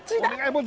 もう